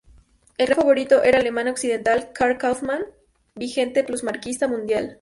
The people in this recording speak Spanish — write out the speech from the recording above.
El gran favorito era el alemán occidental Carl Kaufmann, vigente plusmarquista mundial.